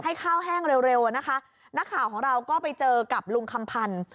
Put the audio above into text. ให้ข้าวแห้งเร็วอ่ะนะคะนักข่าวของเราก็ไปเจอกับลุงคำพันธ์